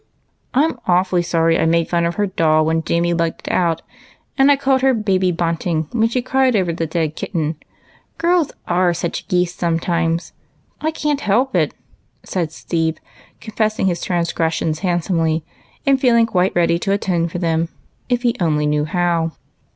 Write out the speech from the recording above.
"I'm awfully sorry I made fun of her doll Avhen Jamie lugged it out ; and I called her ' baby bunting ' when she cried over the dead kitten. Girls are such geese sometimes, I can't help it," said Steve, confess ing his transgressions handsomely, and feeling quite ready to atone for them if he only knew how.